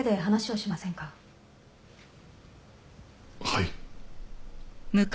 はい。